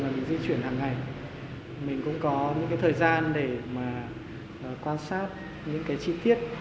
mình di chuyển hàng ngày mình cũng có những cái thời gian để mà quan sát những cái chi tiết